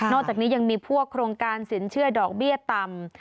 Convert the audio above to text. อกจากนี้ยังมีพวกโครงการสินเชื่อดอกเบี้ยต่ำ